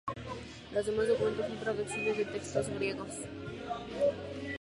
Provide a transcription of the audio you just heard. Los demás documentos son traducciones de textos griegos.